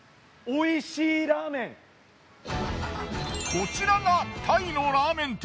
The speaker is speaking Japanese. こちらがタイのラーメン店